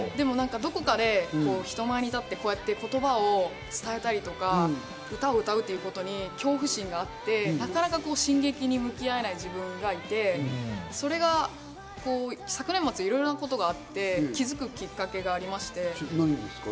どこかで人前に立って言葉を伝えたりとか、歌を歌うってことに恐怖心があって、なかなか向き合えない自分がいて、昨年末、いろんな事があって、気づくきっかけがありまして。